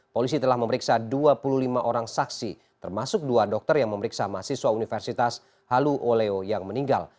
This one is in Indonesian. polisi telah memeriksa dua puluh lima orang saksi termasuk dua dokter yang memeriksa mahasiswa universitas halu oleo yang meninggal